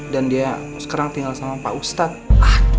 dan dia sekarang tinggal sama pak ustadz